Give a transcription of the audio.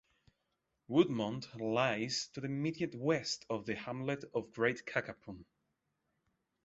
Woodmont lies to the immediate west of the hamlet of Great Cacapon.